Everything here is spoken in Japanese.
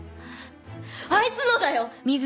あいつのだよ！